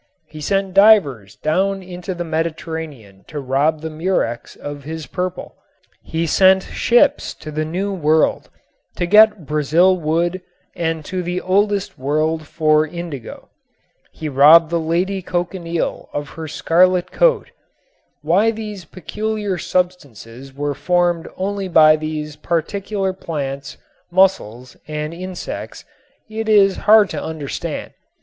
He sent divers down into the Mediterranean to rob the murex of his purple. He sent ships to the new world to get Brazil wood and to the oldest world for indigo. He robbed the lady cochineal of her scarlet coat. Why these peculiar substances were formed only by these particular plants, mussels and insects it is hard to understand.